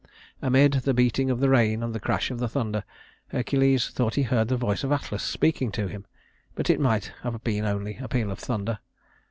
Amid the beating of the rain and the crash of the thunder, Hercules thought he heard the voice of Atlas speaking to him; but it might have been only a peal of thunder.